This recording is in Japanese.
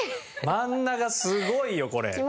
真ん中すごいよこれ。